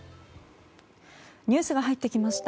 ニュースが入ってきました。